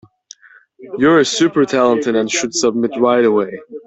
You are super talented and should submit right away.